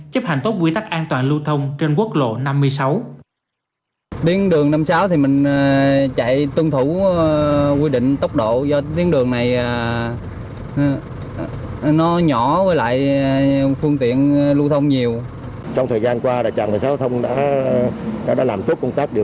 chấp hành tốt quy tắc an toàn lưu thông trên quốc lộ năm mươi sáu